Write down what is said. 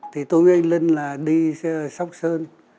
thì tôi với anh lân là đi sóc sơn